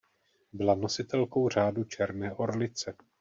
Byla nositelkou Řádu černé orlice.